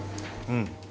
うん。